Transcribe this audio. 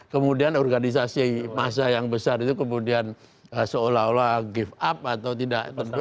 kemudian organisasi masa yang besar itu kemudian seolah olah give up atau tidak